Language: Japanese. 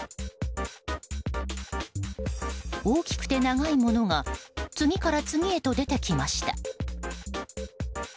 大きくて長いものが次から次へと出てきました。